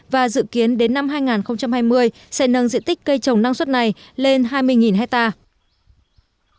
và dự kiến đến năm hai nghìn hai mươi sẽ nâng diện tích cây trồng năng suất này lên hai mươi hectare